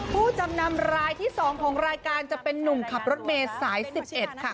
ผู้จำนำรายที่สองของรายการจะเป็นหนุ่มขับรถเมฆสายสิบเอ็ดค่ะ